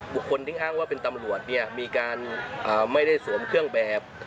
บุคคลที่อ้างว่าเป็นตำรวจเนี่ยมีการไม่ได้สวมเครื่องแบบ